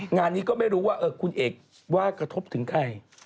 งานนี้ก็ไม่รู้ว่าคุณเอกว่ากระทบถึงใคร